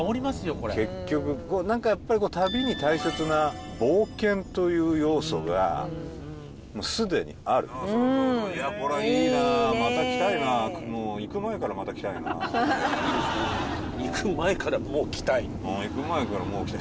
これ結局何かやっぱり旅に大切な冒険という要素がもうすでにあるうんこりゃいいなまた来たいなあいいねえ行く前からもう来たいうん行く前からもう来たい